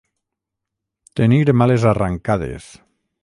Tenir males arrancades.